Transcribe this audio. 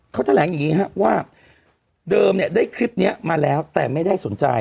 เขาแถลงอย่างนี้ครับว่าเดิมเนี่ยได้คลิปนี้มาแล้วแต่ไม่ได้สนใจ